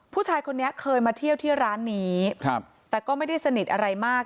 ผู้ชายคนนี้เคยมาเที่ยวที่ร้านนี้ครับแต่ก็ไม่ได้สนิทอะไรมาก